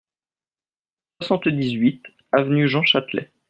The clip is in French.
soixante-dix-huit avenue Jean Châtelet